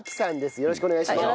よろしくお願いします。